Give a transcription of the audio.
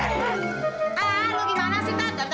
ah lu gimana sih tata